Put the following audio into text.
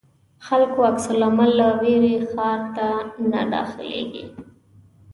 خلکو عکس العمل له وېرې ښار ته نه داخلېدی.